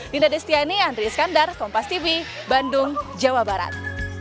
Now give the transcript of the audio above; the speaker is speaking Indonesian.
dinda destiani andri iskandar kompas tv bandung jawa barat